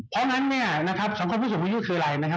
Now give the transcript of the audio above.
เพราะงั้นสังคมฟิศวิชยุคืออะไรนะครับ